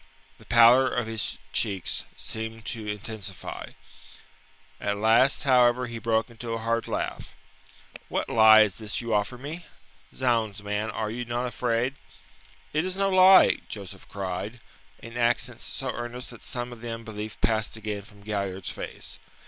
The pallor of his cheeks seemed to intensify. At last, however, he broke into a hard laugh. "What lie is this you offer me? Zounds, man, are you not afraid?" "It is no lie," Joseph cried, in accents so earnest that some of the unbelief passed again from Galliard's face.